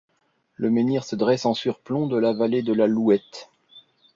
Le menhir se dresse en surplomb de la vallée de la Louette.